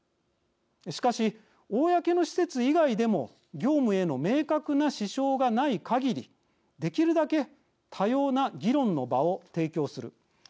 しかし、公の施設以外でも業務への明確な支障がないかぎりできるだけ多様な議論の場を提供する。